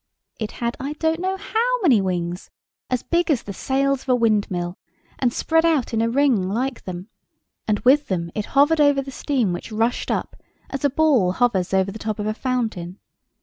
It had I don't know how many wings, as big as the sails of a windmill, and spread out in a ring like them; and with them it hovered over the steam which rushed up, as a ball hovers over the top of a fountain.